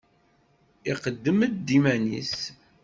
Iqeddem-d iman-nnes.